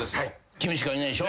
君しかいないでしょ。